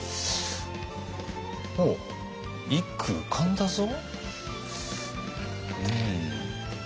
おお一句浮かんだぞ。